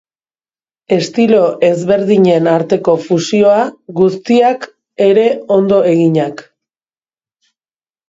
Estilo ezberdinen arteko fusioa, guztiak ere ondo eginak.